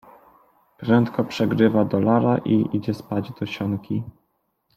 Prędko przegrywa dolara i idzie spać do sionki.